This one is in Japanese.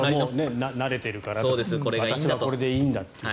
慣れてるから私はこれでいいんだと。